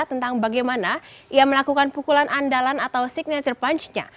tentang bagaimana ia melakukan pukulan andalan atau signature punch nya